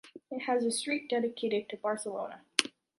It has a street dedicated to Barcelona.